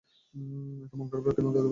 এতো মন খারাপ কেন, দাদু ভাই?